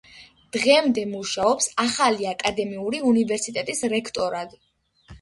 დღემდე მუშაობს ახალი აკადემიური უნივერსიტეტის რექტორად.